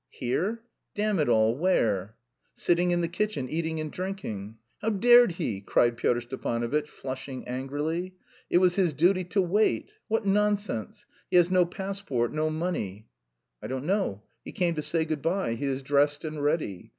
"Here! Damn it all, where?" "Sitting in the kitchen, eating and drinking." "How dared he?" cried Pyotr Stepanovitch, flushing angrily. "It was his duty to wait... what nonsense! He has no passport, no money!" "I don't know. He came to say good bye; he is dressed and ready.